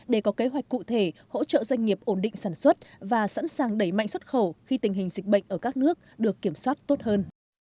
để có kế hoạch cụ thể hỗ trợ doanh nghiệp ổn định sản xuất và sẵn sàng đẩy mạnh xuất khẩu khi tình hình dịch bệnh ở các nước được kiểm soát tốt hơn